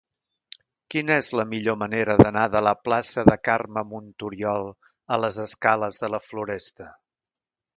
Quina és la millor manera d'anar de la plaça de Carme Montoriol a les escales de la Floresta?